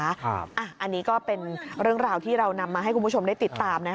อันนี้ก็เป็นเรื่องราวที่เรานำมาให้คุณผู้ชมได้ติดตาม